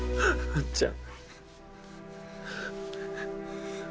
あっちゃん。